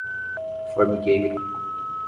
Formigueiro